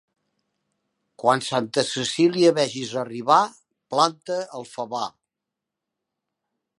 Quan Santa Cecília vegis arribar, planta el favar.